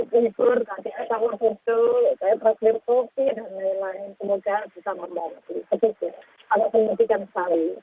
itu sangat menyedihkan sekali